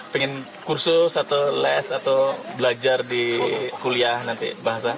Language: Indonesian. pengen kursus atau less atau belajar di kuliah nanti bahasa